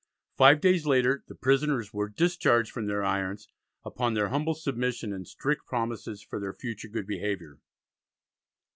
Five days later the prisoners were "discharged from their irons," upon their humble submission and strict promises for their future good behaviour.